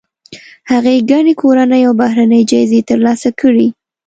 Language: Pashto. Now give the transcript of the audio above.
هغې ګڼې کورنۍ او بهرنۍ جایزې ترلاسه کړي.